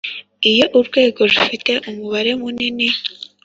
iyo urwego rufite umubare munini